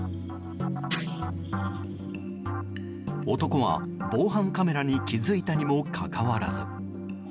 男は防犯カメラに気づいたにもかかわらず。